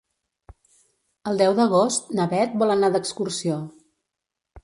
El deu d'agost na Bet vol anar d'excursió.